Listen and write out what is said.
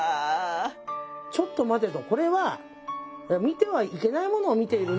ちょっと待てと。